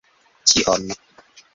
Ĉion!